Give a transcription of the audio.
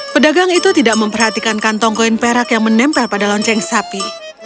pedagang itu tidak memperhatikan kantong koin perak yang menempel pada lonceng sapi